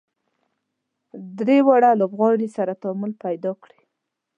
درې واړه لوبغاړي سره تعامل پیدا کړي.